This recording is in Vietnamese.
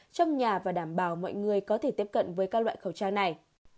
trong nhà và đảm bảo mọi người có thể tiếp cận với các loại khẩu trang này